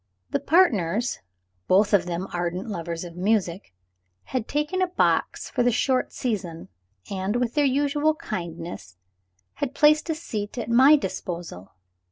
The partners (both of them ardent lovers of music) had taken a box for the short season, and, with their usual kindness, had placed a seat at my disposal.